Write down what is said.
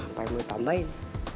apa yang mau tambahin